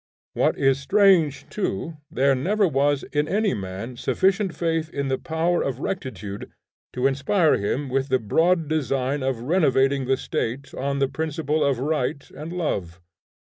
What is strange too, there never was in any man sufficient faith in the power of rectitude to inspire him with the broad design of renovating the State on the principle of right and love.